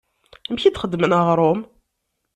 Amek i d-xeddmen aɣrum?